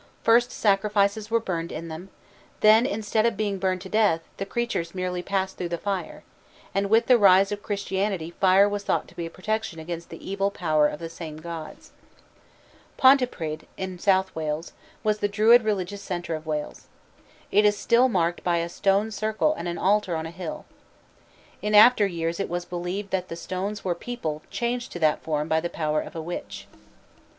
First sacrifices were burned in them; then instead of being burned to death, the creatures merely passed through the fire; and with the rise of Christianity fire was thought to be a protection against the evil power of the same gods. Pontypridd, in South Wales, was the Druid religious center of Wales. It is still marked by a stone circle and an altar on a hill. In after years it was believed that the stones were people changed to that form by the power of a witch.